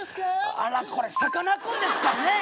あらこれさかなクンですかね。